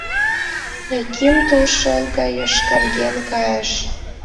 Яким тулшол гай йошкарген кайыш.